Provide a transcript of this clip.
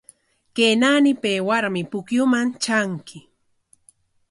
Kay naanipa aywarmi pukyuman tranki.